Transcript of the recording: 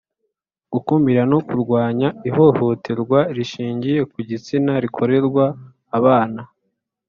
Gukumira no kurwanya ihohoterwa rishingiye ku gitsina rikorerwa abana